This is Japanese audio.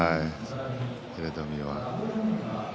平戸海は。